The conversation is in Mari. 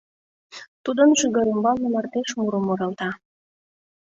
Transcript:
Тудын шӱгар ӱмбалне мардеж мурым муралта.